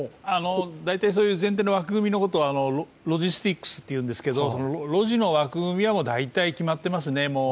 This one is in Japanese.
大体そういう前提の枠組みのことはロジスティックスというんですけれどもロジの枠組みは大体決まっていますね。